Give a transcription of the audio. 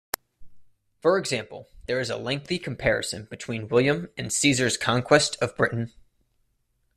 For example, there is a lengthy comparison between William and Caesar's conquest of Britain.